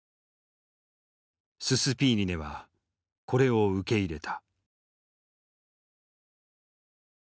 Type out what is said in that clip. ススピーリネはこれを受け入れた。